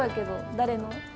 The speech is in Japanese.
誰の？